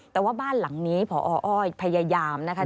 แต่ว่าบ้านหลังนี้พออ้อยพยายามนะคะ